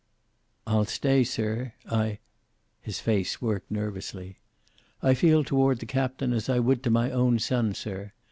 "I'll stay, sir. I " His face worked nervously. "I feel toward the Captain as I would to my own son, sir.